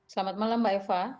selamat malam mbak eva